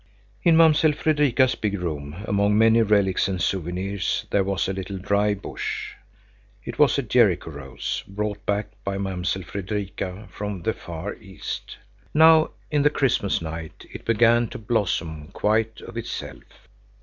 In Mamsell Fredrika's big room, among many relics and souvenirs, there was a little, dry bush. It was a Jericho rose, brought back by Mamsell Fredrika from the far East. Now in the Christmas night it began to blossom quite of itself.